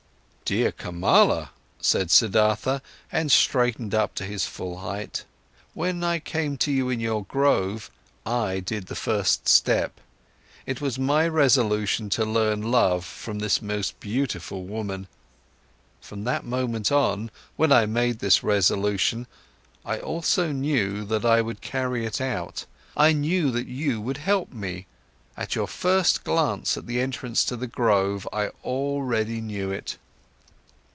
"Dear Kamala," said Siddhartha and straightened up to his full height, "when I came to you into your grove, I did the first step. It was my resolution to learn love from this most beautiful woman. From that moment on when I had made this resolution, I also knew that I would carry it out. I knew that you would help me, at your first glance at the entrance of the grove I already knew it."